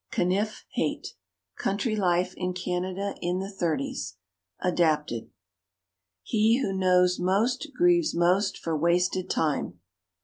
Canniff Haight: "Country Life in Canada in the 'Thirties'." (Adapted) He who knows most grieves most for wasted time.